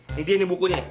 ini dia nih bukunya